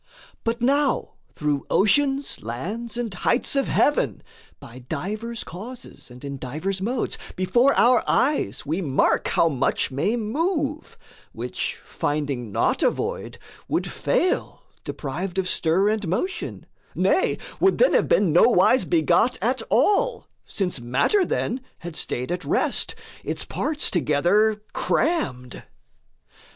But now through oceans, lands, and heights of heaven, By divers causes and in divers modes, Before our eyes we mark how much may move, Which, finding not a void, would fail deprived Of stir and motion; nay, would then have been Nowise begot at all, since matter, then, Had staid at rest, its parts together crammed.